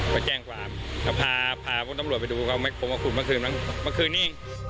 ก็แจ้งกลางพาพวกตำรวจไปดูเขาเอาแม็กโครบมาขุดเมื่อคืนนี้